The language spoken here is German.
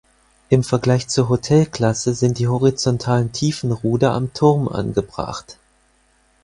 Im Vergleich zur Hotel-Klasse sind die horizontalen Tiefenruder am Turm angebracht.